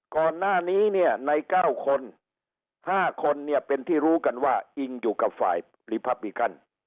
ก่อนหน้านี้เนี่ยใน๙คน๕คนเนี่ยเป็นที่รู้กันว่าอิงอยู่กับฝ่ายลีพับบีกัน